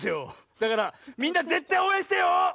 だからみんなぜったいおうえんしてよ！